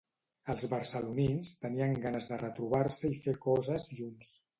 Els barcelonins tenien ganes de retrobar-se i fer coses junts.